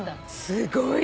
すごい。